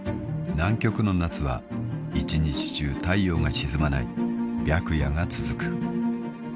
［南極の夏は一日中太陽が沈まない白夜が続く］